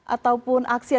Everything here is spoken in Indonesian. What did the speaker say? ataupun aksi yang dilakukan